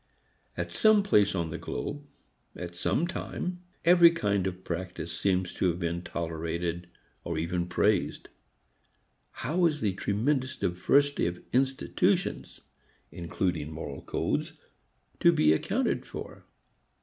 At some place on the globe, at some time, every kind of practice seems to have been tolerated or even praised. How is the tremendous diversity of institutions (including moral codes) to be accounted for?